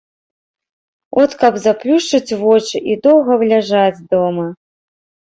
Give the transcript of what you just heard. От каб заплюшчыць вочы і доўга ляжаць дома.